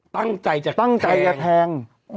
ตั้งใจจะแทง